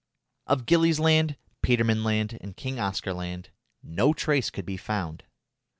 Of Gillies Land, Petermann Land, and King Oscar Land no trace could be found.